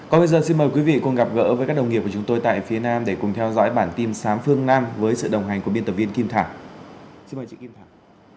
còn bây giờ xin mời quý vị cùng gặp gỡ với các đồng nghiệp của chúng tôi tại phía nam để cùng theo dõi bản tin sáng phương nam với sự đồng hành của biên tập viên kim thảo